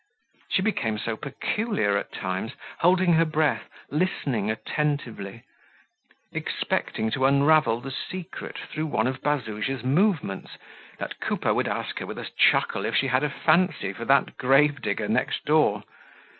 She became so peculiar at times, holding her breath, listening attentively, expecting to unravel the secret through one of Bazouge's movements, that Coupeau would ask her with a chuckle if she had a fancy for that gravedigger next door.